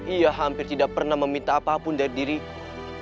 ia hampir tidak pernah meminta apapun dari diriku